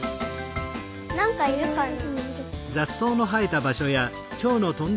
なんかいるかな？